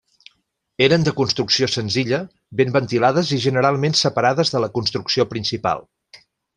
Eren de construcció senzilla, ben ventilades i generalment separades de la construcció principal.